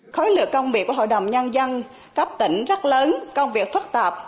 khối lựa công việc của hội đồng nhân dân cấp tỉnh rất lớn công việc phức tạp